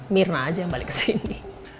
mirna aja yang balik kesini